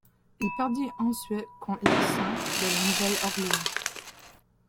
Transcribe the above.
Il perdit ensuite contre les Saints de La Nouvelle-Orléans.